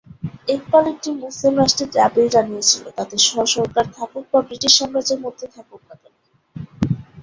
ইকবাল একটি মুসলিম রাষ্ট্রের দাবি জানিয়েছিল, তাতে স্ব-সরকার থাকুক বা ব্রিটিশ সাম্রাজ্যের মধ্যে থাকুক না কেন।